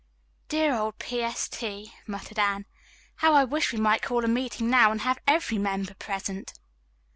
"Dear old P. S. T.," murmured Anne. "How I wish we might call a meeting now and have every member present."